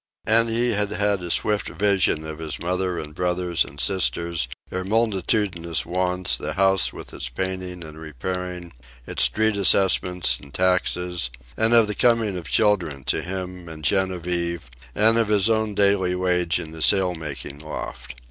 And he had had a swift vision of his mother and brothers and sisters, their multitudinous wants, the house with its painting and repairing, its street assessments and taxes, and of the coming of children to him and Genevieve, and of his own daily wage in the sail making loft.